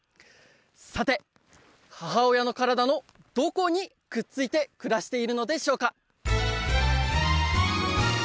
さて母親の体のどこにくっついて暮らしているのでしょうか？